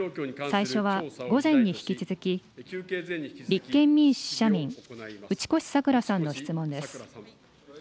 最初は午前に引き続き、立憲民主・社民、打越さく良さんの質問です。